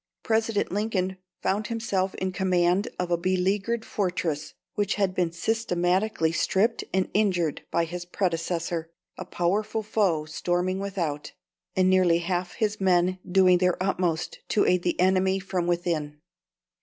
President Lincoln found himself in command of a beleagured fortress which had been systematically stripped and injured by his predecessor, a powerful foe storming without, and nearly half his men doing their utmost to aid the enemy from within.